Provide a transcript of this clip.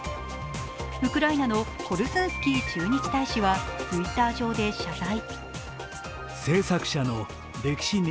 ウクライナのコルスンスキー駐日大使はＴｗｉｔｔｅｒ上で謝罪。